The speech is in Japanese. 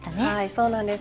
そうなんです